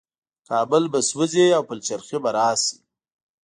کابل به سوځي او پلچرخي به راشي.